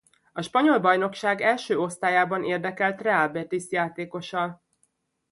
A spanyol bajnokság első osztályában érdekelt Real Betis játékosa.